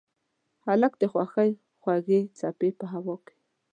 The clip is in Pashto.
هلک د خوښۍ خوږې څپې په هوا کړ.